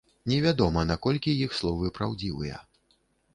Невядома, наколькі іх словы праўдзівыя.